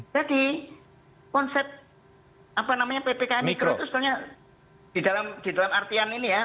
jadi konsep ppkm itu sebenarnya di dalam artian ini ya